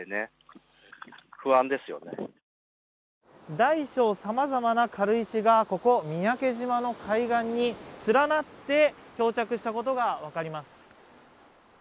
大小さまざまな軽石がここ三宅島の海岸に連なって漂着したことが分かります。